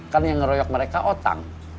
kan yang ngeroyok mereka otak